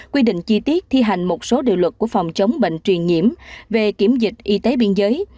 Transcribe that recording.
quy định chi tiết thi hành một số điều luật của phòng chống bệnh truyền nhiễm về kiểm dịch y tế biên giới